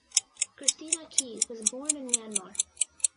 Christina Kyi was born in Myanmar.